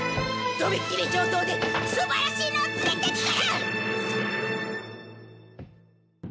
とびっきり上等で素晴らしいのを連れてくる！